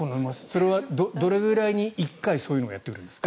それはどのぐらいに１回そういうのをやるんですか。